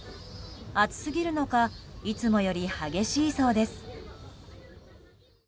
暑すぎるのかいつもより激しいそうです。